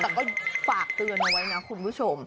แต่ก็ฝากเตือนไว้นะคุณผู้ชม